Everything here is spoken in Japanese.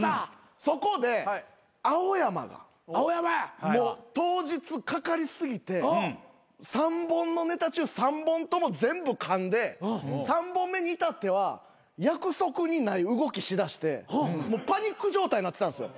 そこで青山が当日かかり過ぎて３本のネタ中３本とも全部かんで３本目にいたっては約束にない動きしだしてパニック状態になってたんすよ。